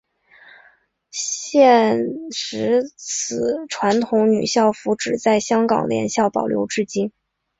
现时此传统女校服只在香港联校保留至今。